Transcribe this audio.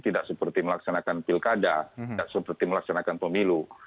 tidak seperti melaksanakan pilkada tidak seperti melaksanakan pemilu